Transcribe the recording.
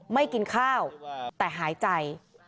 ไม่กินข้าวแต่หายใจ